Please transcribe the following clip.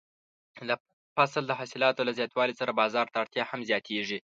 د فصل د حاصلاتو له زیاتوالي سره بازار ته اړتیا هم زیاتیږي.